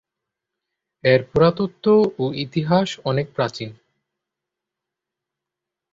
এর পুরাতত্ত্ব ও ইতিহাস অনেক প্রাচীন।